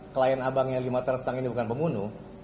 klien abang yang lima tersang ini bukan pembunuh